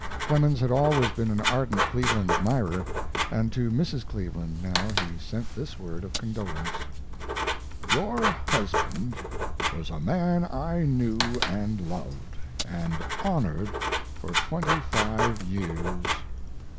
Clemens had always been an ardent Cleveland admirer, and to Mrs. Cleveland now he sent this word of condolence Your husband was a man I knew and loved and honored for twenty five years.